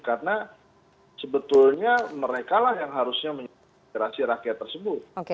karena sebetulnya mereka lah yang harusnya menjadi aspirasi rakyat tersebut